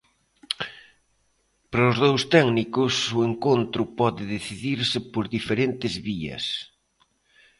Para os dous técnicos, o encontro pode decidirse por diferentes vías.